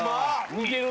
似てる。